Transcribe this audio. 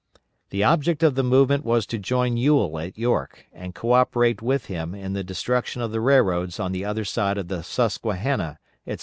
The object of the movement was to join Ewell at York, and co operate with him in the destruction of the railroads on the other side of the Susquehanna, etc.